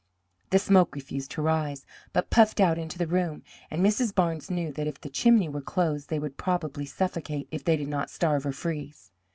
The smoke refused to rise, but puffed out into the room, and Mrs. Barnes knew that if the chimney were closed they would probably suffocate, if they did not starve or freeze.